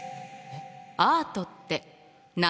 「アートって何？」。